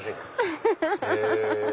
フフフフ！